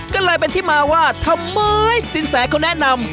ก็เลยเป็นที่มาว่าทำไมสินแสเขาแนะนำ